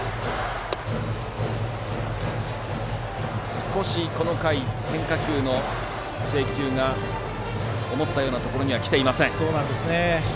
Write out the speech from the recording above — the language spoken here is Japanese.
少し、この回変化球の制球が思ったようなところには来ていません。